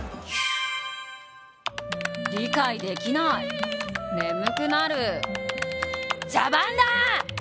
理解できない眠くなる、茶番だ！